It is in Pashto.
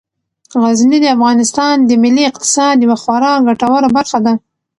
غزني د افغانستان د ملي اقتصاد یوه خورا ګټوره برخه ده.